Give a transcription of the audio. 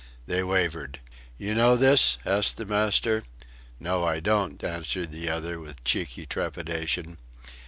They wavered. "You know this?" asked the master. "No, I don't," answered the other, with cheeky trepidation.